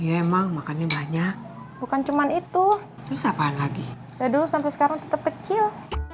ya emang makannya banyak bukan cuman itu terus apa lagi saya dulu sampai sekarang tetap kecil